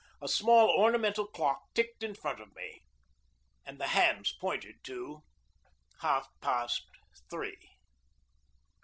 A small ornamental clock ticked in front of me, and the hands pointed to half past three.